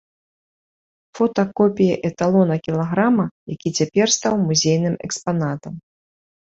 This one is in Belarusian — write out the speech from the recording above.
Фота копіі эталона кілаграма, які цяпер стаў музейным экспанатам.